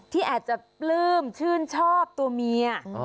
ที่อาจจะปลื้มชื่นชอบตัวเมีย